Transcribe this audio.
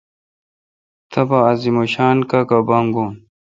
تبہ عظیم شا کاکا باگوُن۔